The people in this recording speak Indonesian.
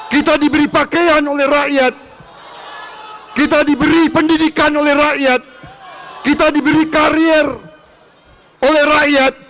kita diberi pakaian oleh rakyat kita diberi pendidikan oleh rakyat kita diberi karier oleh rakyat